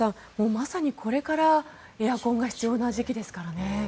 まさにこれからエアコンが必要な時期ですからね。